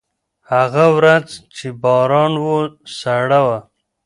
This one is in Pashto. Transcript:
هغه ورځ چې باران و، سړه وه.